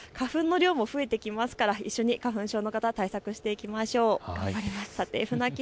花粉の量も増えてきますから、一緒に花粉症の方、対策していきましょう。